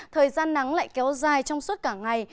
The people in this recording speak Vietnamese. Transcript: thời gian nắng lại kéo dài trong suốt cả ngày